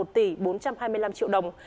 một tỷ bốn trăm hai mươi năm triệu đồng